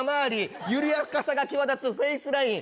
緩やかさが際立つフェースライン。